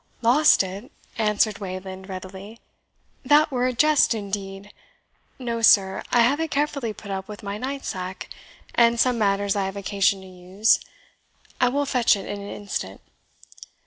"Lost it!" answered Wayland readily; "that were a jest indeed! No, sir, I have it carefully put up with my night sack, and some matters I have occasion to use; I will fetch it in an instant."